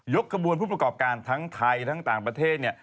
กระบวนผู้ประกอบการทั้งไทยทั้งต่างประเทศเนี่ย